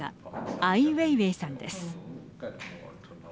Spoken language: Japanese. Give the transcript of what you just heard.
アイ・ウェイウェイさんです。